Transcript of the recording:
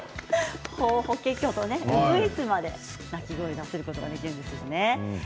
ホーホケキョとウグイスの鳴き声まで出すことができるんですね。